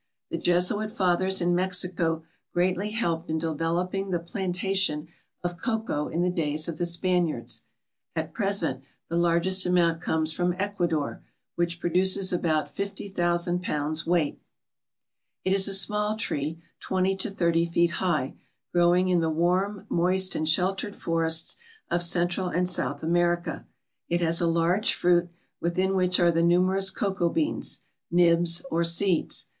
The Jesuit fathers in Mexico greatly helped in developing the plantation of cocoa in the days of the Spaniards. At present the largest amount comes from Ecuador, which produces about 50,000,000 pounds weight. It is a small tree, twenty to thirty feet high, growing in the warm, moist, and sheltered forests of Central and South America. It has a large fruit, within which are the numerous cocoa beans, "nibs," or seeds.